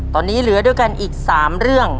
ตอนนี้เหลือด้วยกันอีก๓เรื่อง